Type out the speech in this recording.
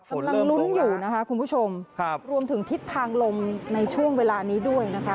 กำลังลุ้นอยู่นะคะคุณผู้ชมครับรวมถึงทิศทางลมในช่วงเวลานี้ด้วยนะคะ